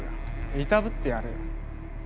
いたぶってやるよ。